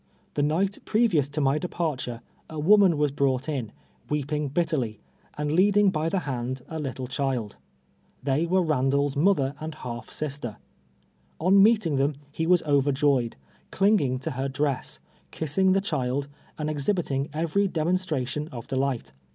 The night previous to my departure a woman was brought in, weeping bitterly, and leading by the hand a little child. They were llandairs mother and half sister. On meeting them he was overjoyed, clinging to her dress, kissing the child, and exhibit ing every demonstrati(^n of delight.